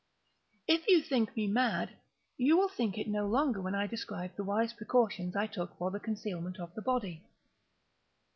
If still you think me mad, you will think so no longer when I describe the wise precautions I took for the concealment of the body.